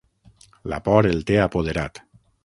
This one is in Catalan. La por el té apoderat.